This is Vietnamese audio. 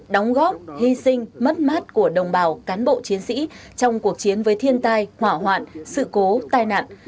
đóng góp hy sinh mất mát của đồng bào cán bộ chiến sĩ trong cuộc chiến với thiên tai hỏa hoạn sự cố tai nạn